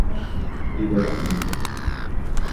ดีเวล๊อปเมนต์